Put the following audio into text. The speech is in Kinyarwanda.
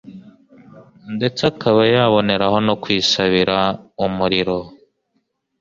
ndetse akaba yaboneraho no kwisabira umuriro